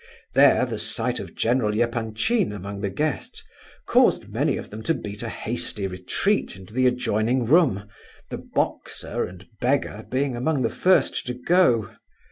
There, the sight of General Epanchin among the guests, caused many of them to beat a hasty retreat into the adjoining room, the "boxer" and "beggar" being among the first to go.